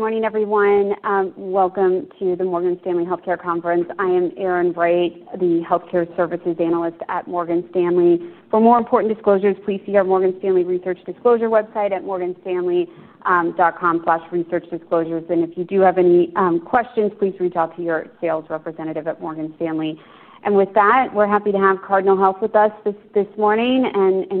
Good morning, everyone. Welcome to the Morgan Stanley Healthcare Conference. I am Erin Wright, the Healthcare Services Analyst at Morgan Stanley. For more important disclosures, please see our Morgan Stanley Research Disclosure website at morganstanley.com/researchdisclosures. If you do have any questions, please reach out to your sales representative at Morgan Stanley. We're happy to have Cardinal Health with us this morning.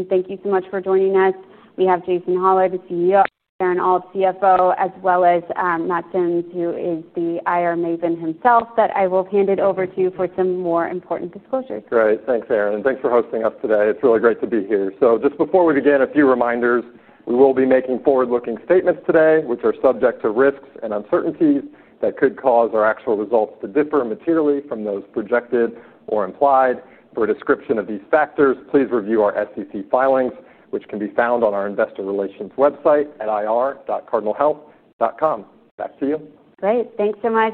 Thank you so much for joining us. We have Jason Hollar, the CEO, Aaron Alt, CFO, as well as Matt Sims, who is the IR maven himself, that I will hand it over to for some more important disclosures. Great. Thanks, Erin. Thanks for hosting us today. It's really great to be here. Just before we begin, a few reminders. We will be making forward-looking statements today, which are subject to risks and uncertainties that could cause our actual results to differ materially from those projected or implied. For a description of these factors, please review our SEC filings, which can be found on our investor relations website at ir.cardinalhealth.com. Back to you. Great. Thanks so much.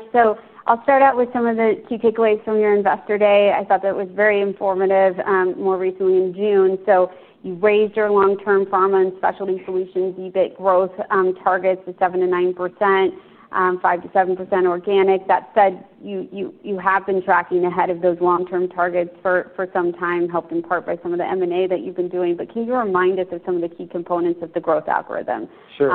I'll start out with some of the key takeaways from your Investor Day. I thought that was very informative, more recently in June. You raised your long-term Pharma and Specialty Solutions EBIT growth targets at 7% to 9%, 5% to 7% organic. That said, you have been tracking ahead of those long-term targets for some time, helped in part by some of the M&A that you've been doing. Can you remind us of some of the key components of the growth algorithm? Sure.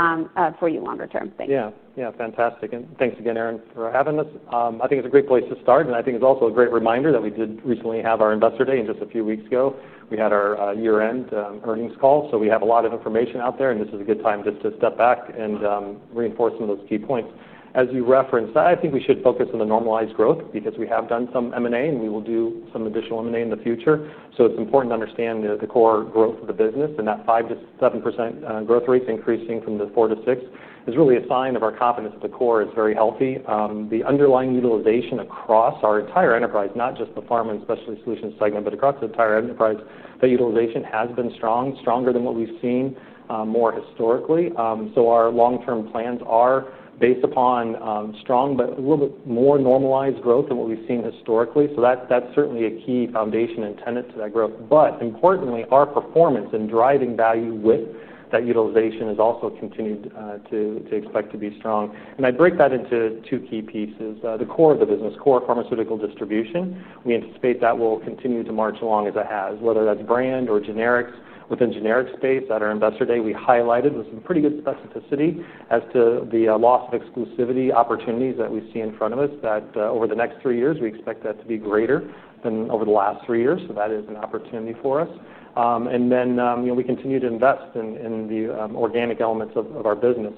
For you longer term, thanks. Yeah. Yeah, fantastic. Thanks again, Erin, for having us. I think it's a great place to start. I think it's also a great reminder that we did recently have our Investor Day. Just a few weeks ago, we had our year-end earnings call. We have a lot of information out there. This is a good time just to step back and reinforce some of those key points. As you referenced, I think we should focus on the normalized growth because we have done some M&A. We will do some additional M&A in the future. It's important to understand the core growth of the business. That 5% to 7% growth rate increasing from the 4% to 6% is really a sign of our confidence that the core is very healthy. The underlying utilization across our entire enterprise, not just the pharma and specialty solutions segment, but across the entire enterprise, that utilization has been strong, stronger than what we've seen more historically. Our long-term plans are based upon strong, but a little bit more normalized growth than what we've seen historically. That's certainly a key foundation and tenet to that growth. Importantly, our performance and driving value with that utilization is also continued to expect to be strong. I break that into two key pieces. The core of the business, core pharmaceutical distribution, we anticipate that will continue to march along as it has, whether that's brand or generics. Within generics space, at our Investor Day, we highlighted with some pretty good specificity as to the loss of exclusivity opportunities that we see in front of us, that over the next three years, we expect that to be greater than over the last three years. That is an opportunity for us. We continue to invest in the organic elements of our business.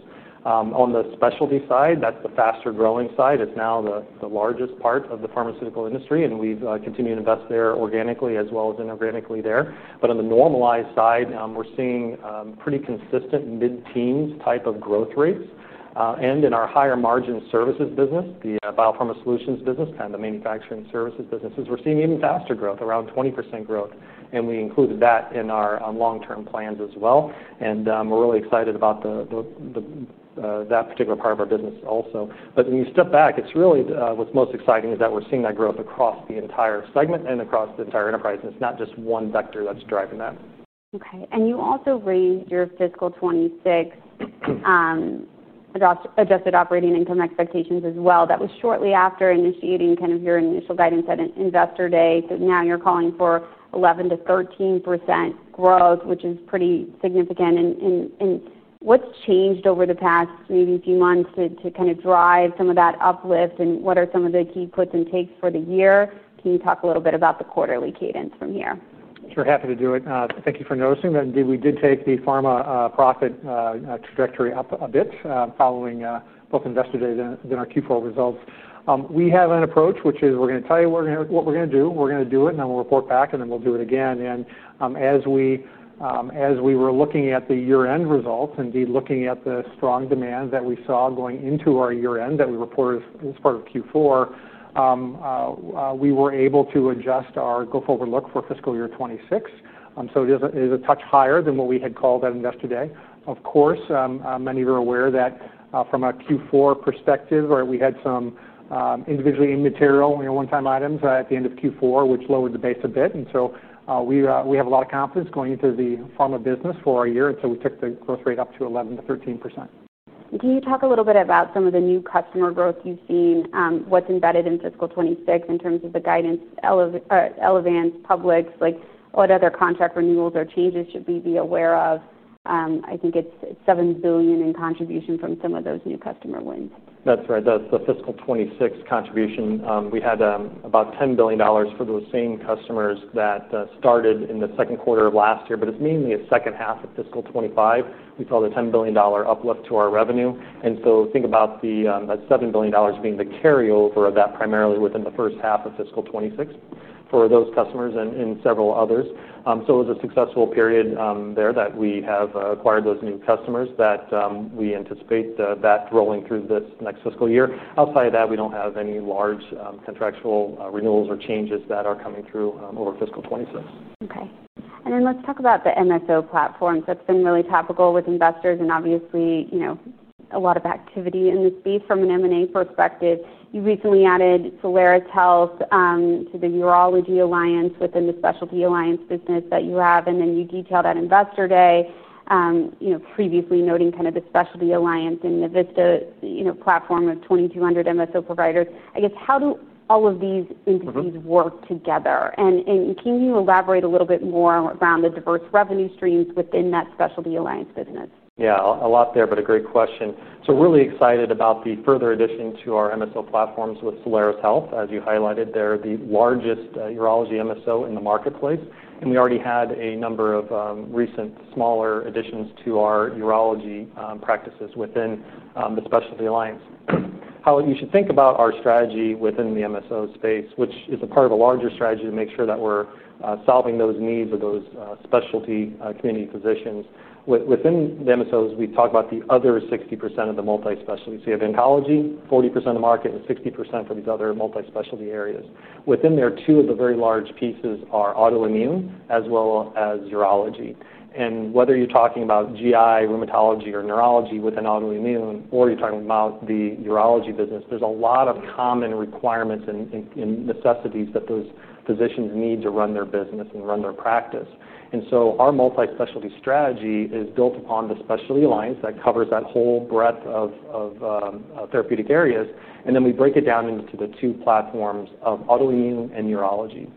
On the specialty side, that's the faster growing side. It's now the largest part of the pharmaceutical industry. We've continued to invest there organically, as well as inorganically there. On the normalized side, we're seeing pretty consistent mid-teens type of growth rates. In our higher margin services business, the biopharma solutions business and the manufacturing services businesses, we're seeing even faster growth, around 20% growth. We included that in our long-term plans as well. We're really excited about that particular part of our business also. When you step back, what's most exciting is that we're seeing that growth across the entire segment and across the entire enterprise. It's not just one vector that's driving that. OK. You also raised your fiscal 2026 adjusted operating income expectations as well. That was shortly after initiating your initial guidance at an Investor Day. Now you're calling for 11% to 13% growth, which is pretty significant. What's changed over the past few months to drive some of that uplift? What are some of the key puts and takes for the year? Can you talk a little bit about the quarterly cadence from here? Sure. Happy to do it. Thank you for noticing. We did take the pharma profit trajectory up a bit following both Investor Day and then our Q4 results. We have an approach, which is we're going to tell you what we're going to do. We're going to do it. Then we'll report back. Then we'll do it again. As we were looking at the year-end results, indeed looking at the strong demand that we saw going into our year-end that we reported as part of Q4, we were able to adjust our growth outlook for fiscal year 2026. It is a touch higher than what we had called at Investor Day. Of course, many of you are aware that from a Q4 perspective, we had some individually immaterial one-time items at the end of Q4, which lowered the base a bit. We have a lot of confidence going into the pharma business for our year. We took the growth rate up to 11% to 13%. Can you talk a little bit about some of the new customer growth you've seen, what's embedded in fiscal 2026 in terms of the guidance, Elevance, Publix? What other contract renewals or changes should we be aware of? I think it's $7 billion in contribution from some of those new customer wins. That's right. That's the fiscal 2026 contribution. We had about $10 billion for those same customers that started in the second quarter of last year. It is mainly a second half of fiscal 2025. We saw the $10 billion uplift to our revenue. Think about that $7 billion being the carryover of that primarily within the first half of fiscal 2026 for those customers and several others. It was a successful period there that we have acquired those new customers that we anticipate rolling through this next fiscal year. Outside of that, we don't have any large contractual renewals or changes that are coming through over fiscal 2026. OK. Let's talk about the MSO platforms. That's been really topical with investors. Obviously, you know a lot of activity in the space from an M&A perspective. You recently added Solaris Health to the Urology Alliance within the Specialty Alliance business that you have. You detailed at Investor Day, previously noting the Specialty Alliance and the Vista platform of 2,200 MSO providers. I guess, how do all of these entities work together? Can you elaborate a little bit more around the diverse revenue streams within that Specialty Alliance business? Yeah, a lot there, but a great question. Really excited about the further addition to our MSO platforms with Solaris Health. As you highlighted, they're the largest urology MSO in the marketplace. We already had a number of recent smaller additions to our urology practices within the Specialty Alliance. How you should think about our strategy within the MSO space, which is a part of a larger strategy to make sure that we're solving those needs of those specialty community physicians. Within the MSOs, we talk about the other 60% of the multi-specialties. You have oncology, 40% of the market, and 60% for these other multi-specialty areas. Within there, two of the very large pieces are autoimmune, as well as urology. Whether you're talking about GI, rheumatology, or neurology within autoimmune, or you're talking about the urology business, there's a lot of common requirements and necessities that those physicians need to run their business and run their practice. Our multi-specialty strategy is built upon the Specialty Alliance that covers that whole breadth of therapeutic areas. We break it down into the two platforms of autoimmune and urology.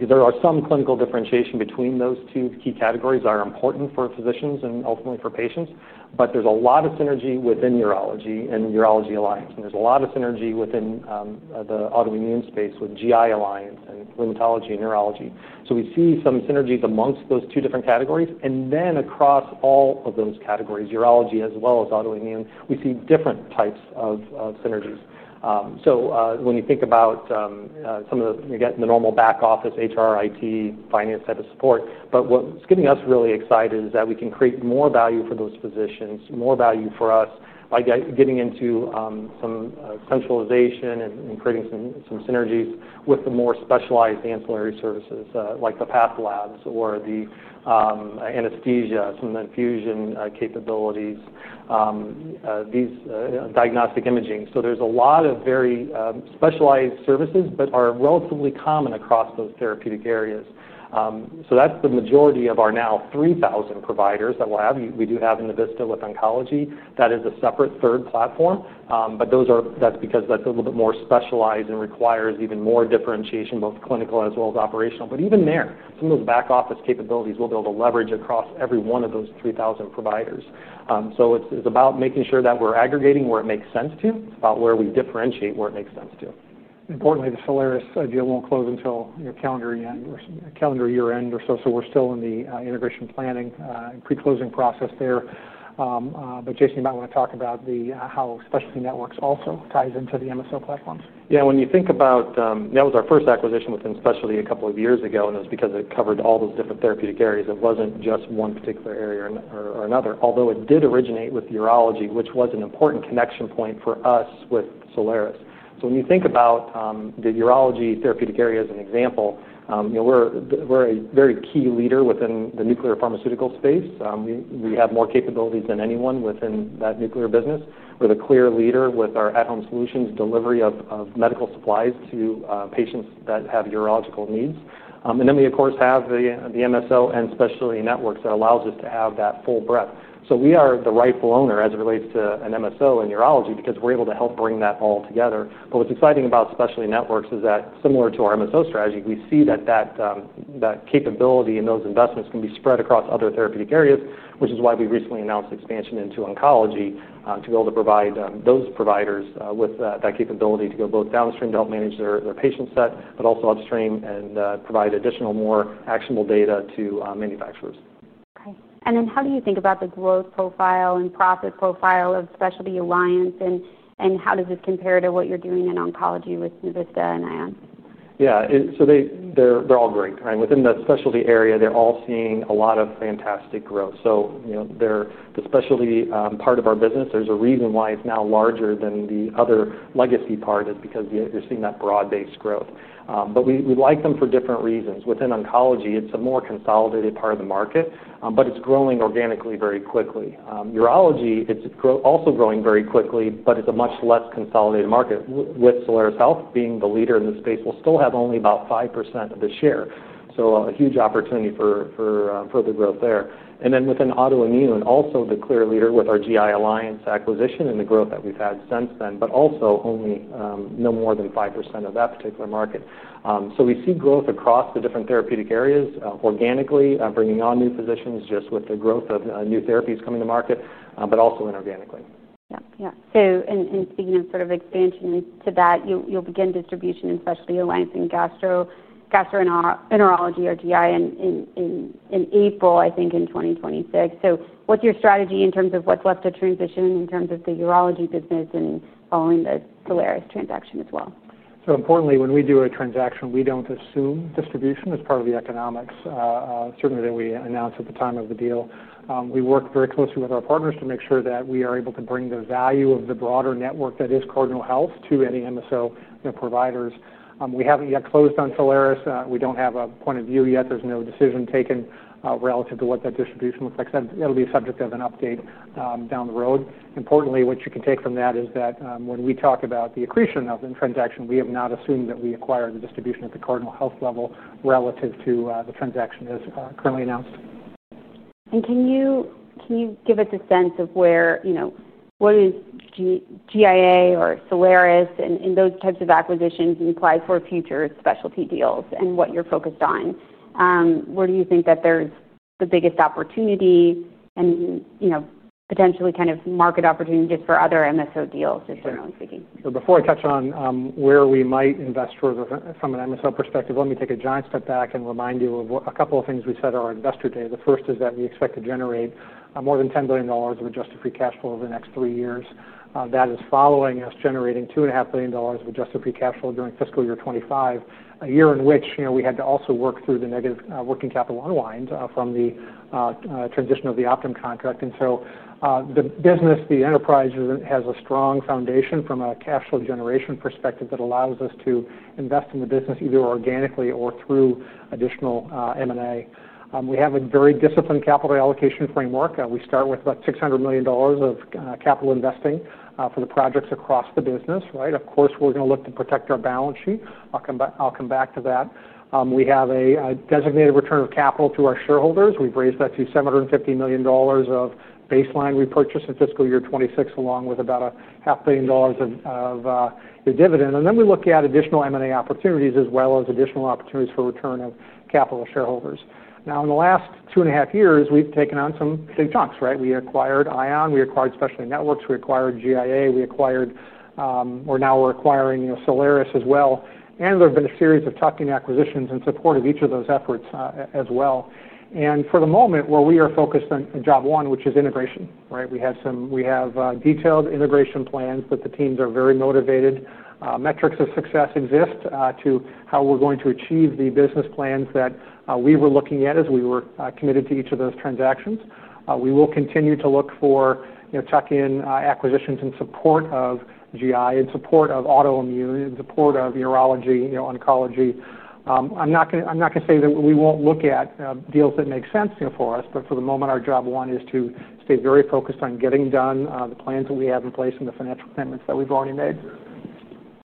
There are some clinical differentiation between those two key categories that are important for physicians and ultimately for patients. There's a lot of synergy within urology and the Urology Alliance. There's a lot of synergy within the autoimmune space with GI Alliance and rheumatology and urology. We see some synergies amongst those two different categories. Across all of those categories, urology as well as autoimmune, we see different types of synergies. When you think about some of the, you get the normal back office, HR, IT, finance type of support. What's getting us really excited is that we can create more value for those physicians, more value for us, by getting into some centralization and creating some synergies with the more specialized ancillary services, like the path labs or the anesthesia, some of the infusion capabilities, these diagnostic imaging. There's a lot of very specialized services, but are relatively common across those therapeutic areas. That's the majority of our now 3,000 providers that we have. We do have in the Vista with oncology. That is a separate third platform. That's because that's a little bit more specialized and requires even more differentiation, both clinical as well as operational. Even there, some of those back office capabilities we'll be able to leverage across every one of those 3,000 providers. It's about making sure that we're aggregating where it makes sense to. It's about where we differentiate where it makes sense to. Importantly, the Solaris deal won't close until calendar year end or so. We're still in the integration planning pre-closing process there. Jason, you might want to talk about how Specialty Networks also ties into the MSO platforms. Yeah, when you think about it, that was our first acquisition within Specialty a couple of years ago. It was because it covered all those different therapeutic areas. It wasn't just one particular area or another, although it did originate with urology, which was an important connection point for us with Solaris. When you think about the urology therapeutic area as an example, we're a very key leader within the nuclear pharmaceutical space. We have more capabilities than anyone within that nuclear business. We're the clear leader with our At-Home Solutions, delivery of medical supplies to patients that have urological needs. We, of course, have the MSO and Specialty Networks that allow us to have that full breadth. We are the rightful owner as it relates to an MSO in urology because we're able to help bring that all together. What's exciting about Specialty Networks is that, similar to our MSO strategy, we see that capability and those investments can be spread across other therapeutic areas, which is why we recently announced the expansion into oncology to be able to provide those providers with that capability to go both downstream to help manage their patient set, but also upstream and provide additional, more actionable data to manufacturers. OK. How do you think about the growth profile and profit profile of Specialty Alliance? How does it compare to what you're doing in oncology with Vista and ION? Yeah, so they're all great. Within the specialty area, they're all seeing a lot of fantastic growth. The specialty part of our business, there's a reason why it's now larger than the other legacy part, is because you're seeing that broad-based growth. We like them for different reasons. Within oncology, it's a more consolidated part of the market, but it's growing organically very quickly. Urology, it's also growing very quickly, but it's a much less consolidated market. With Solaris Health being the leader in the space, we'll still have only about 5% of the share, so a huge opportunity for further growth there. Within autoimmune, also the clear leader with our GI Alliance acquisition and the growth that we've had since then, but also only no more than 5% of that particular market. We see growth across the different therapeutic areas organically, bringing on new physicians just with the growth of new therapies coming to market, but also inorganically. In speaking of sort of expansion to that, you'll begin distribution in Specialty Alliance and Gastroenterology or GI in April, I think, in 2026. What's your strategy in terms of what's left to transition in terms of the urology business and following the Solaris transaction as well? Importantly, when we do a transaction, we don't assume distribution as part of the economics. Certainly, we announce at the time of the deal. We work very closely with our partners to make sure that we are able to bring the value of the broader network that is Cardinal Health to any MSO providers. We haven't yet closed on Solaris. We don't have a point of view yet. There's no decision taken relative to what that distribution looks like. That will be a subject of an update down the road. Importantly, what you can take from that is that when we talk about the accretion of the transaction, we have not assumed that we acquire the distribution at the Cardinal Health level relative to the transaction as currently announced. Can you give us a sense of where, you know, what is GI Alliance or Solaris and those types of acquisitions you applied for future specialty deals and what you're focused on? Where do you think that there's the biggest opportunity and potentially kind of market opportunities for other MSO deals, just generally speaking? Before I touch on where we might invest from an MSO perspective, let me take a giant step back and remind you of a couple of things we said at our Investor Day. The first is that we expect to generate more than $10 billion of adjusted free cash flow over the next three years. That is following us generating $2.5 billion of adjusted free cash flow during fiscal year 2025, a year in which we had to also work through the negative working capital unwind from the transition of the Optum contract. The business, the enterprise, has a strong foundation from a cash flow generation perspective that allows us to invest in the business either organically or through additional M&A. We have a very disciplined capital allocation framework. We start with about $600 million of capital investing for the projects across the business. Of course, we're going to look to protect our balance sheet. I'll come back to that. We have a designated return of capital through our shareholders. We've raised that to $750 million of baseline repurchase in fiscal year 2026, along with about a half billion dollars of dividend. We look at additional M&A opportunities, as well as additional opportunities for return of capital of shareholders. In the last 2.5 years, we've taken on some big chunks. We acquired ION. We acquired Specialty Networks. We acquired GI Alliance. We acquired, or now we're acquiring, Solaris Health as well. There have been a series of tuck-in acquisitions in support of each of those efforts as well. For the moment, we are focused on job one, which is integration. We have detailed integration plans. The teams are very motivated. Metrics of success exist to how we're going to achieve the business plans that we were looking at as we were committed to each of those transactions. We will continue to look for tuck-in acquisitions in support of GI, in support of autoimmune, in support of urology, oncology. I'm not going to say that we won't look at deals that make sense for us. For the moment, our job one is to stay very focused on getting done the plans that we have in place and the financial commitments that we've already made.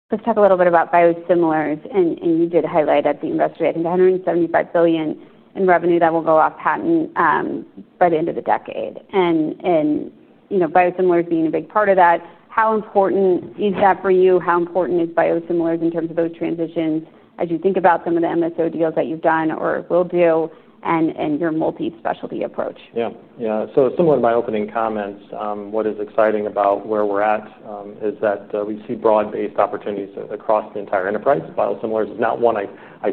Let's talk a little bit about biosimilars. You did highlight at the Investor Day, I think, $175 billion in revenue that will go off patent by the end of the decade. Biosimilars being a big part of that, how important is that for you? How important is biosimilars in terms of those transitions as you think about some of the MSO deals that you've done or will do and your multi-specialty approach? Yeah. Yeah. Similar to my opening comments, what is exciting about where we're at is that we see broad-based opportunities across the entire enterprise. Biosimilars is not one I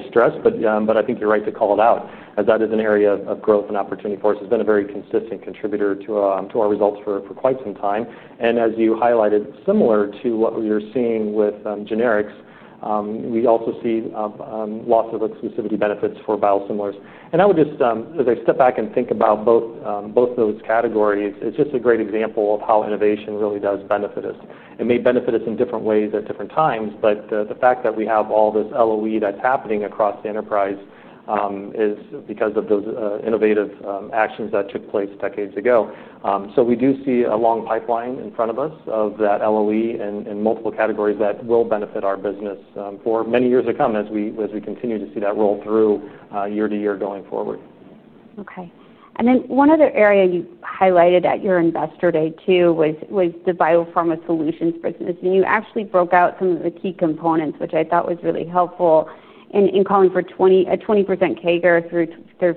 stress. I think you're right to call it out, as that is an area of growth and opportunity for us. It's been a very consistent contributor to our results for quite some time. As you highlighted, similar to what you're seeing with generics, we also see lots of exclusivity benefits for biosimilars. As I step back and think about both those categories, it's just a great example of how innovation really does benefit us. It may benefit us in different ways at different times. The fact that we have all this LOE that's happening across the enterprise is because of those innovative actions that took place decades ago. We do see a long pipeline in front of us of that LOE and multiple categories that will benefit our business for many years to come as we continue to see that roll through year to year going forward. OK. One other area you highlighted at your Investor Day, too, was the Biopharma Solutions business. You actually broke out some of the key components, which I thought was really helpful in calling for a 20% CAGR through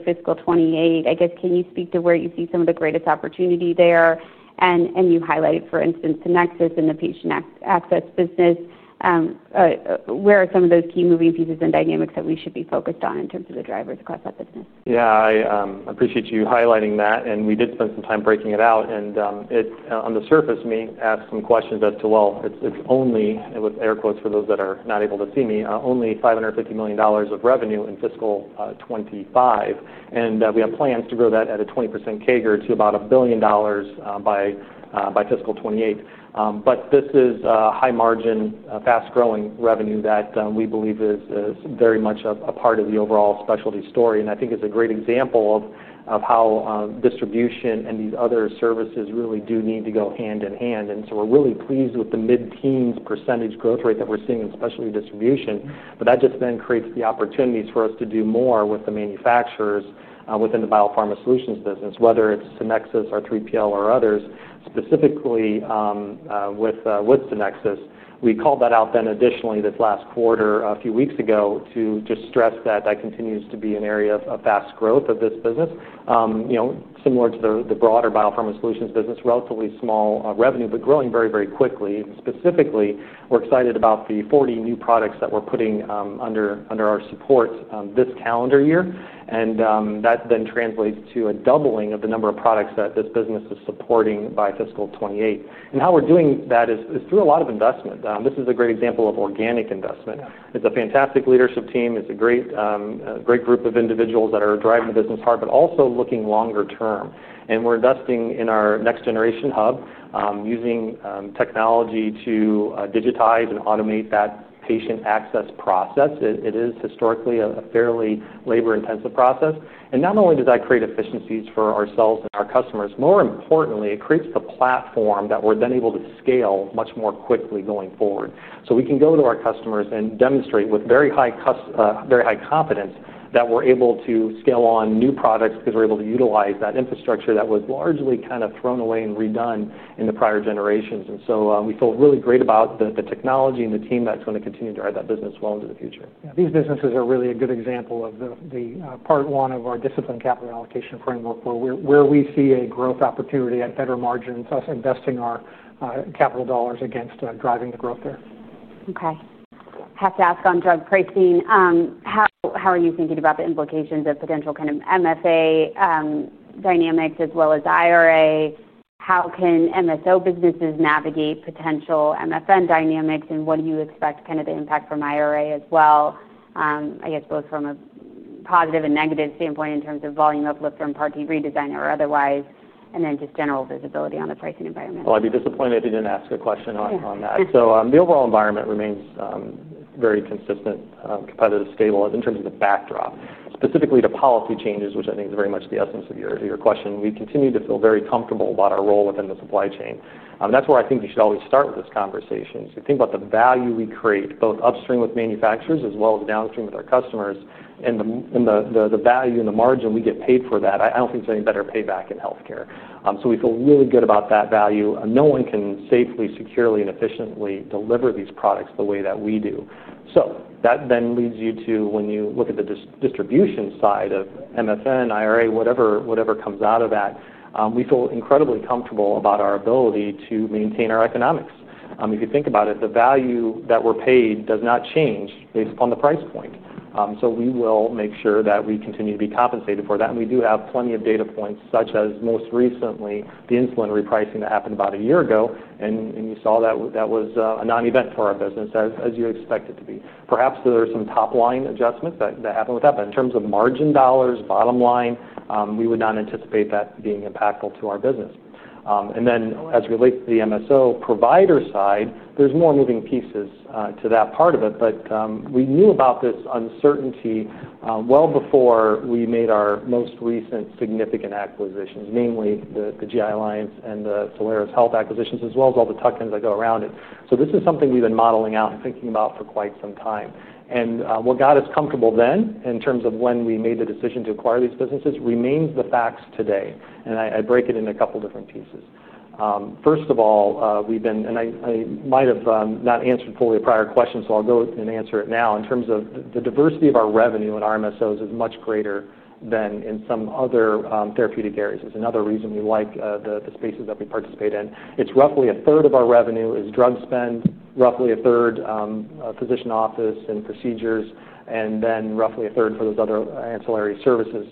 fiscal 2028. I guess, can you speak to where you see some of the greatest opportunity there? You highlighted, for instance, the Nexus in the patient access business. Where are some of those key moving pieces and dynamics that we should be focused on in terms of the drivers across that business? Yeah, I appreciate you highlighting that. We did spend some time breaking it out. On the surface, we asked some questions as to, well, it's only, with air quotes for those that are not able to see me, only $550 million of revenue in fiscal 2025. We have plans to grow that at a 20% CAGR to about $1 billion by fiscal 2028. This is a high margin, fast-growing revenue that we believe is very much a part of the overall specialty story. I think it's a great example of how distribution and these other services really do need to go hand in hand. We're really pleased with the mid-teens % growth rate that we're seeing in specialty distribution. That just then creates the opportunities for us to do more with the manufacturers within the Biopharma Solutions business, whether it's the Nexus or 3PL or others. Specifically with the Nexus, we called that out then additionally this last quarter a few weeks ago to just stress that that continues to be an area of fast growth of this business. Similar to the broader Biopharma Solutions business, relatively small revenue, but growing very, very quickly. Specifically, we're excited about the 40 new products that we're putting under our support this calendar year. That then translates to a doubling of the number of products that this business is supporting by fiscal 2028. How we're doing that is through a lot of investment. This is a great example of organic investment. It's a fantastic leadership team. It's a great group of individuals that are driving the business hard, but also looking longer term. We're investing in our next generation hub, using technology to digitize and automate that patient access process. It is historically a fairly labor-intensive process. Not only does that create efficiencies for ourselves and our customers, more importantly, it creates the platform that we're then able to scale much more quickly going forward. We can go to our customers and demonstrate with very high confidence that we're able to scale on new products because we're able to utilize that infrastructure that was largely kind of thrown away and redone in the prior generations. We feel really great about the technology and the team that's going to continue to drive that business well into the future. These businesses are really a good example of the part one of our discipline capital allocation framework, where we see a growth opportunity at better margins, us investing our capital dollars against driving the growth there. OK. I have to ask on drug pricing. How are you thinking about the implications of potential kind of MFN dynamics, as well as IRA? How can MSO businesses navigate potential MFN dynamics? What do you expect kind of the impact from IRA as well? I guess both from a positive and negative standpoint in terms of volume uplift from Part D redesign or otherwise, and then just general visibility on the pricing environment. I'd be disappointed if you didn't ask a question on that. The overall environment remains very consistent, competitive, stable in terms of the backdrop. Specifically to policy changes, which I think is very much the essence of your question, we continue to feel very comfortable about our role within the supply chain. That's where I think we should always start with this conversation. Think about the value we create, both upstream with manufacturers, as well as downstream with our customers, and the value and the margin we get paid for that. I don't think there's any better payback in health care. We feel really good about that value. No one can safely, securely, and efficiently deliver these products the way that we do. That then leads you to when you look at the distribution side of MFN, IRA, whatever comes out of that, we feel incredibly comfortable about our ability to maintain our economics. If you think about it, the value that we're paid does not change based upon the price point. We will make sure that we continue to be compensated for that. We do have plenty of data points, such as most recently the insulin repricing that happened about a year ago. You saw that that was a non-event for our business, as you expect it to be. Perhaps there are some top-line adjustments that happened with that. In terms of margin dollars, bottom line, we would not anticipate that being impactful to our business. As it relates to the MSO provider side, there's more moving pieces to that part of it. We knew about this uncertainty well before we made our most recent significant acquisitions, namely the GI Alliance and the Solaris Health acquisitions, as well as all the tuck-ins that go around it. This is something we've been modeling out and thinking about for quite some time. What got us comfortable then in terms of when we made the decision to acquire these businesses remains the facts today. I break it into a couple of different pieces. First of all, I might have not answered fully a prior question. I'll go and answer it now. In terms of the diversity of our revenue in our MSOs, it's much greater than in some other therapeutic areas. It's another reason we like the spaces that we participate in. It's roughly a third of our revenue is drug spend, roughly a third physician office and procedures, and then roughly a third for those other ancillary services.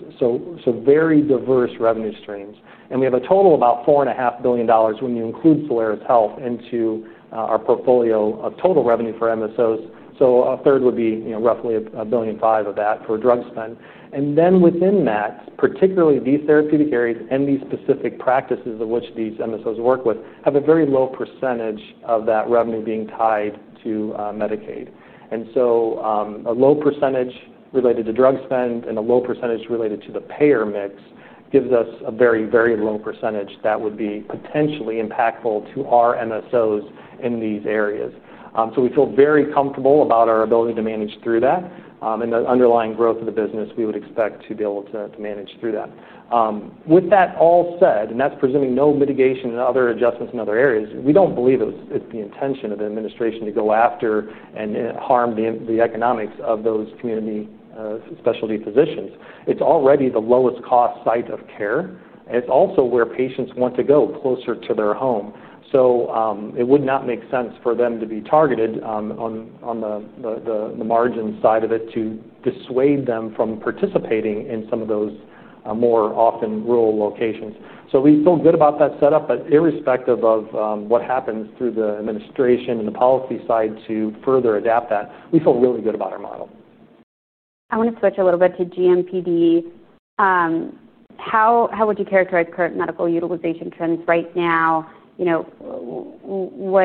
Very diverse revenue streams. We have a total of about $4.5 billion when you include Solaris Health into our portfolio of total revenue for MSOs. A third would be roughly $1.5 billion of that for drug spend. Within that, particularly these therapeutic areas and these specific practices of which these MSOs work with have a very low % of that revenue being tied to Medicaid. A low % related to drug spend and a low % related to the payer mix gives us a very, very low % that would be potentially impactful to our MSOs in these areas. We feel very comfortable about our ability to manage through that. The underlying growth of the business, we would expect to be able to manage through that. With that all said, and that's presuming no mitigation and other adjustments in other areas, we don't believe it's the intention of the administration to go after and harm the economics of those community specialty physicians. It's already the lowest cost site of care. It's also where patients want to go, closer to their home. It would not make sense for them to be targeted on the margin side of it to dissuade them from participating in some of those more often rural locations. We feel good about that setup. Irrespective of what happens through the administration and the policy side to further adapt that, we feel really good about our model. I want to switch a little bit to GMPD. How would you characterize current medical utilization trends right now?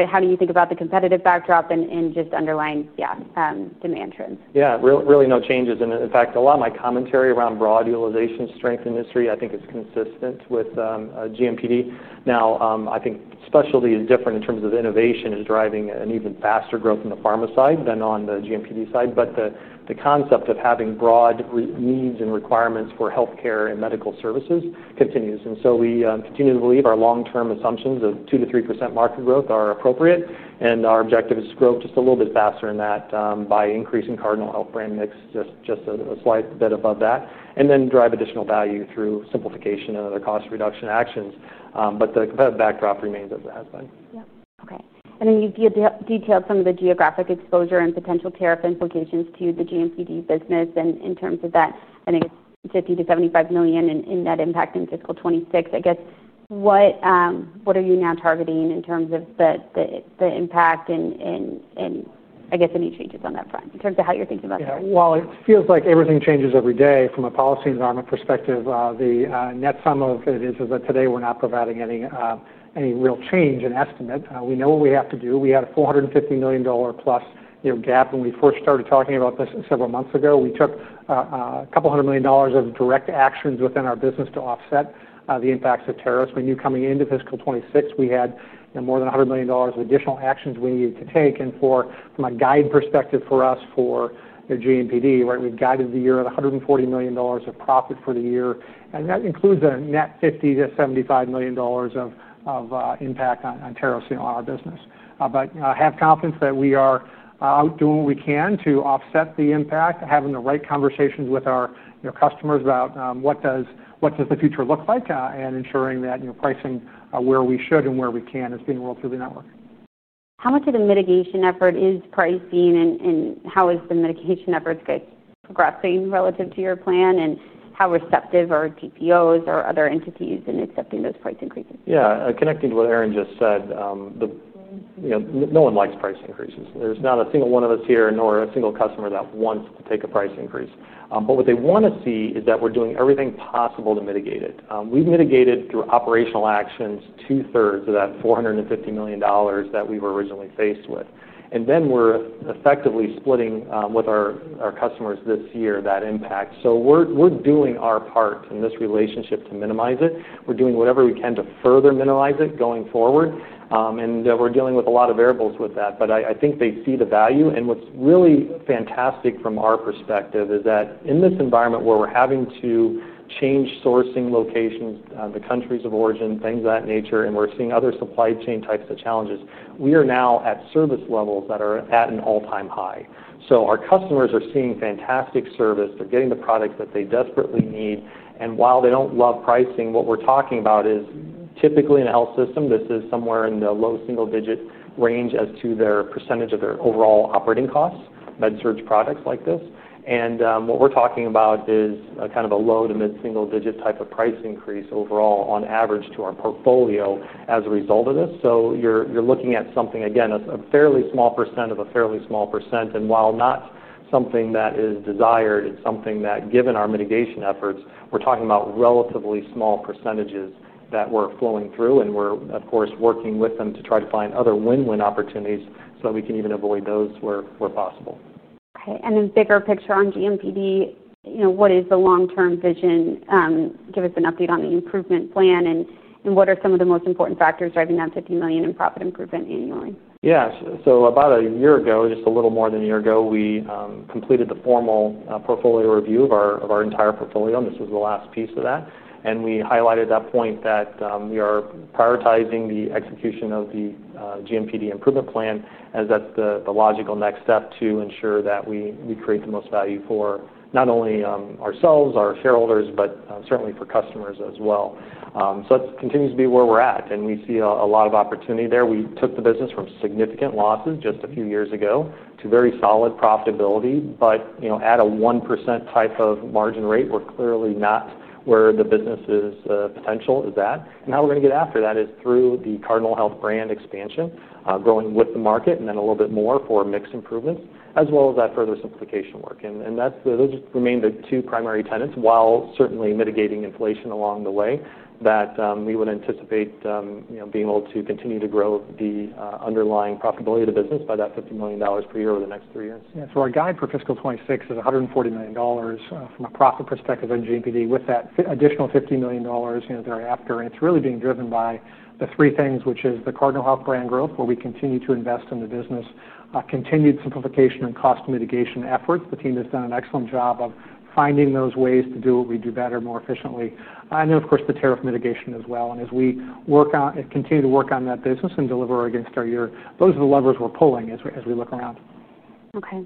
How do you think about the competitive backdrop and just underlying demand trends? Yeah, really no changes. In fact, a lot of my commentary around broad utilization strength in the industry, I think, is consistent with GMPD. I think specialty is different in terms of innovation is driving an even faster growth in the pharma side than on the GMPD side. The concept of having broad needs and requirements for health care and medical services continues. We continue to believe our long-term assumptions of 2% to 3% market growth are appropriate. Our objective is to grow just a little bit faster than that by increasing Cardinal Health brand mix just a slight bit above that, and then drive additional value through simplification and other cost reduction actions. The competitive backdrop remains at that. OK. You detailed some of the geographic exposure and potential tariff implications to the GMPD business. In terms of that, I think it's $50 to $75 million in net impact in fiscal 2026. What are you now targeting in terms of the impact, and any changes on that front in terms of how you're thinking about that? Yeah. It feels like everything changes every day from a policy environment perspective. The net sum of it is that today we're not providing any real change in estimate. We know what we have to do. We had a $450 million plus gap when we first started talking about this several months ago. We took a couple hundred million dollars of direct actions within our business to offset the impacts of tariffs. We knew coming into fiscal 2026, we had more than $100 million of additional actions we needed to take. From a guide perspective for us for GMPD, we've guided the year at $140 million of profit for the year. That includes a net $50 to $75 million of impact on tariffs in our business. I have confidence that we are out doing what we can to offset the impact, having the right conversations with our customers about what does the future look like, and ensuring that pricing where we should and where we can is being rolled through the network. How much of the mitigation effort is pricing? How is the mitigation effort progressing relative to your plan? How receptive are TPOs or other entities in accepting those price increases? Yeah, connecting to what Erin just said, no one likes price increases. There's not a single one of us here nor a single customer that wants to take a price increase. What they want to see is that we're doing everything possible to mitigate it. We've mitigated through operational actions 2/3 of that $450 million that we were originally faced with, and then we're effectively splitting with our customers this year that impact. We're doing our part in this relationship to minimize it. We're doing whatever we can to further minimize it going forward. We're dealing with a lot of variables with that. I think they see the value. What's really fantastic from our perspective is that in this environment where we're having to change sourcing locations, the countries of origin, things of that nature, and we're seeing other supply chain types of challenges, we are now at service levels that are at an all-time high. Our customers are seeing fantastic service. They're getting the products that they desperately need. While they don't love pricing, what we're talking about is typically in the health system, this is somewhere in the low single-digit range as to their % of their overall operating costs, med-surg products like this. What we're talking about is kind of a low to mid-single-digit type of price increase overall on average to our portfolio as a result of this. You're looking at something, again, a fairly small % of a fairly small %. While not something that is desired, it's something that, given our mitigation efforts, we're talking about relatively small %s that we're flowing through. We're, of course, working with them to try to find other win-win opportunities so that we can even avoid those where possible. OK. The bigger picture on GMPD, what is the long-term vision? Give us an update on the improvement plan. What are some of the most important factors driving that $50 million in profit improvement annually? Yeah. About a year ago, just a little more than a year ago, we completed the formal portfolio review of our entire portfolio. This was the last piece of that. We highlighted at that point that we are prioritizing the execution of the GMPD improvement plan, as that's the logical next step to ensure that we create the most value for not only ourselves, our shareholders, but certainly for customers as well. That continues to be where we're at, and we see a lot of opportunity there. We took the business from significant losses just a few years ago to very solid profitability. At a 1% type of margin rate, we're clearly not where the business's potential is at. How we're going to get after that is through the Cardinal Health brand expansion, growing with the market, and then a little bit more for mix improvements, as well as that further simplification work. Those remain the two primary tenets, while certainly mitigating inflation along the way, that we would anticipate being able to continue to grow the underlying profitability of the business by that $50 million per year over the next three years. Our guide for fiscal 2026 is $140 million from a profit perspective on GMPD with that additional $50 million thereafter. It's really being driven by the three things, which is the Cardinal Health brand growth, where we continue to invest in the business, continued simplification, and cost mitigation efforts. The team has done an excellent job of finding those ways to do what we do better, more efficiently. Of course, the tariff mitigation as well. As we continue to work on that business and deliver against our year, those are the levers we're pulling as we look around. OK.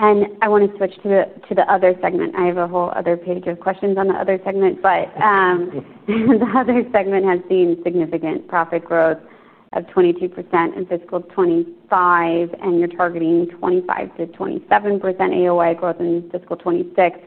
I want to switch to the other segment. I have a whole other page of questions on the other segment. The other segment has seen significant profit growth of 22% in fiscal 2025. You're targeting 25% to 27% AOI growth in fiscal 2026,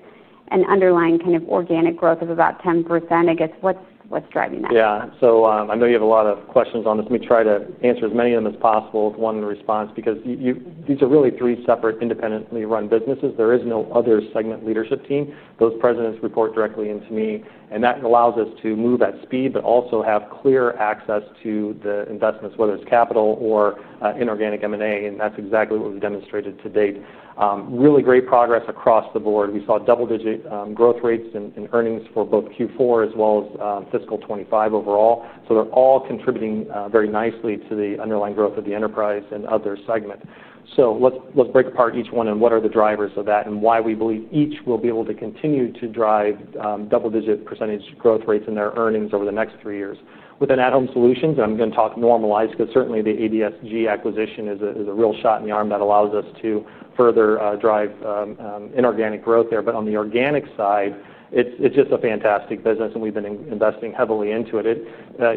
and underlying kind of organic growth of about 10%. I guess, what's driving that? Yeah. I know you have a lot of questions on this. Let me try to answer as many of them as possible with one response. These are really three separate independently run businesses. There is no other segment leadership team. Those presidents report directly into me. That allows us to move at speed, but also have clear access to the investments, whether it's capital or inorganic M&A. That's exactly what we've demonstrated to date. Really great progress across the board. We saw double-digit growth rates in earnings for both Q4 as well as fiscal 2025 overall. They're all contributing very nicely to the underlying growth of the enterprise and other segment. Let's break apart each one and what are the drivers of that and why we believe each will be able to continue to drive double-digit % growth rates in their earnings over the next three years. Within At-Home Solutions, I'm going to talk normalized because certainly the ADSG acquisition is a real shot in the arm that allows us to further drive inorganic growth there. On the organic side, it's just a fantastic business. We've been investing heavily into it.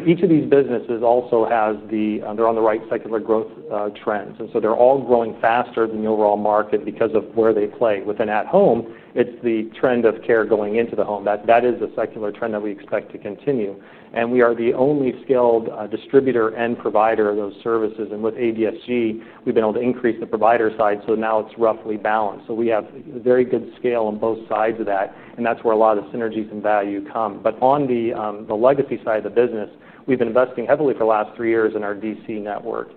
Each of these businesses also has the, they're on the right secular growth trends. They're all growing faster than the overall market because of where they play. Within At-Home, it's the trend of care going into the home. That is a secular trend that we expect to continue. We are the only skilled distributor and provider of those services. With ADSG, we've been able to increase the provider side. Now it's roughly balanced. We have very good scale on both sides of that. That's where a lot of the synergies and value come. On the legacy side of the business, we've been investing heavily for the last three years in our DC network.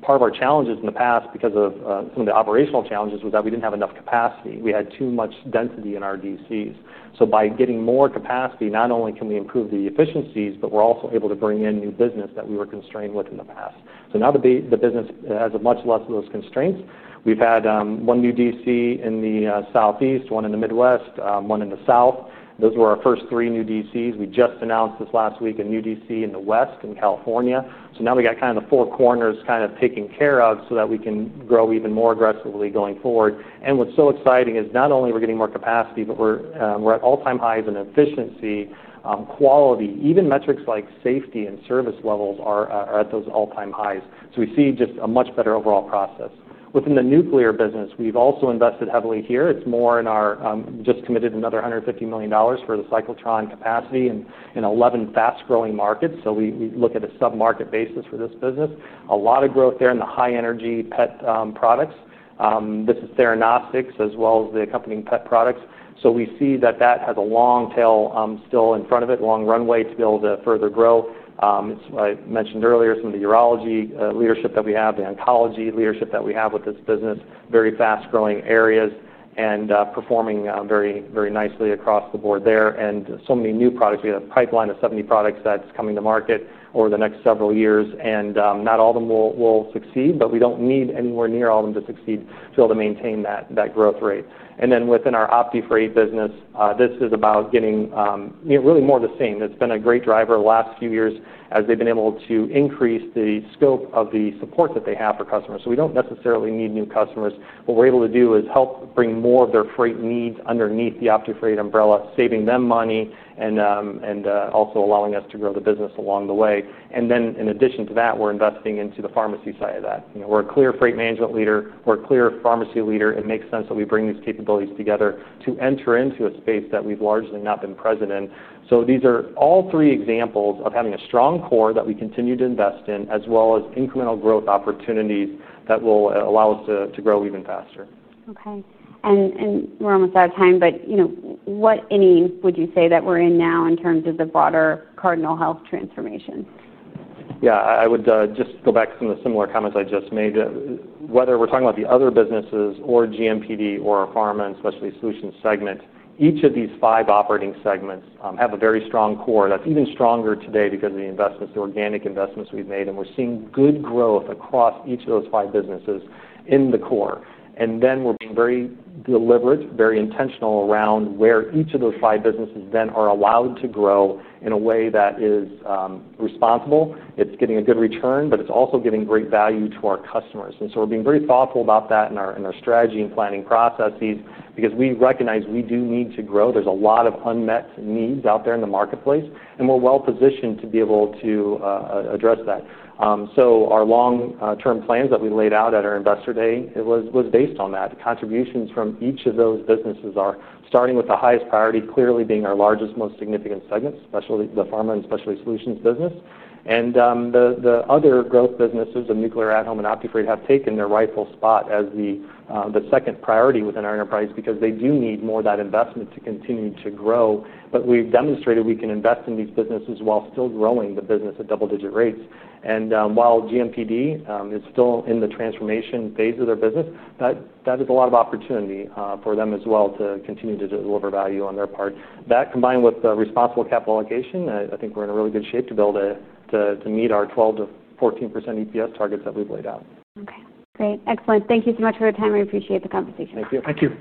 Part of our challenges in the past because of some of the operational challenges was that we didn't have enough capacity. We had too much density in our DCs. By getting more capacity, not only can we improve the efficiencies, but we're also able to bring in new business that we were constrained with in the past. Now the business has much less of those constraints. We've had one new DC in the Southeast, one in the Midwest, one in the South. Those were our first three new DCs. We just announced this last week a new DC in the West in California. Now we got kind of the four corners kind of taken care of so that we can grow even more aggressively going forward. What's so exciting is not only are we getting more capacity, but we're at all-time highs in efficiency and quality. Even metrics like safety and service levels are at those all-time highs. We see just a much better overall process. Within the Nuclear business, we've also invested heavily here. We just committed another $150 million for the Cyclotron capacity in 11 fast-growing markets. We look at a submarket basis for this business. There is a lot of growth in the high-energy PET products. This is Theranostics, as well as the accompanying PET products. We see that has a long tail still in front of it, a long runway to be able to further grow. It's what I mentioned earlier, some of the urology leadership that we have, the oncology leadership that we have with this business, very fast-growing areas and performing very, very nicely across the board there. There are so many new products. We have a pipeline of 70 products that's coming to market over the next several years. Not all of them will succeed, but we don't need anywhere near all of them to succeed to be able to maintain that growth rate. Within our OptiFreight® Logistics business, this is about getting really more of the same. It's been a great driver the last few years as they've been able to increase the scope of the support that they have for customers. We don't necessarily need new customers. What we're able to do is help bring more of their freight needs underneath the OptiFreight® Logistics umbrella, saving them money and also allowing us to grow the business along the way. In addition to that, we're investing into the pharmacy side of that. We're a clear freight management leader. We're a clear pharmacy leader. It makes sense that we bring these capabilities together to enter into a space that we've largely not been present in. These are all three examples of having a strong core that we continue to invest in, as well as incremental growth opportunities that will allow us to grow even faster. OK. We're almost out of time. What year would you say that we're in now in terms of the broader Cardinal Health transformation? Yeah, I would just go back to some of the similar comments I just made. Whether we're talking about the other businesses or GMPD or our pharma and specialty solutions segment, each of these five operating segments have a very strong core that's even stronger today because of the investments, the organic investments we've made. We're seeing good growth across each of those five businesses in the core. We're being very deliberate, very intentional around where each of those five businesses then are allowed to grow in a way that is responsible. It's getting a good return, but it's also giving great value to our customers. We're being very thoughtful about that in our strategy and planning processes because we recognize we do need to grow. There's a lot of unmet needs out there in the marketplace. We're well positioned to be able to address that. Our long-term plans that we laid out at our Investor Day was based on that. Contributions from each of those businesses are starting with the highest priority, clearly being our largest, most significant segment, the pharma and specialty solutions business. The other growth businesses, the nuclear, at-home, and OptiFreight® Logistics, have taken their rightful spot as the second priority within our enterprise because they do need more of that investment to continue to grow. We've demonstrated we can invest in these businesses while still growing the business at double-digit rates. While GMPD is still in the transformation phase of their business, that is a lot of opportunity for them as well to continue to deliver value on their part. That, combined with the responsible capital allocation, I think we're in really good shape to build to meet our 12% to 14% EPS targets that we've laid out. OK. Great. Excellent. Thank you so much for your time. I appreciate the conversation. Thank you. Thank you.